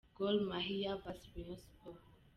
-: Gor Mahia vs Rayon Sport.